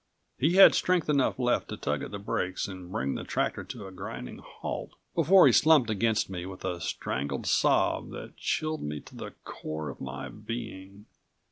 He had strength enough left to tug at the brakes and bring the tractor to a grinding halt before he slumped against me, with a strangled sob that chilled me to the core of my being.